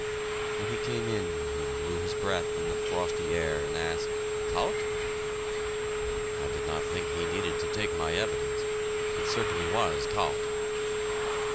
When he came in, he blew his breath in the frosty air, and asked, "Kalt?" I did not think he needed to take my evidence it certainly was "kalt."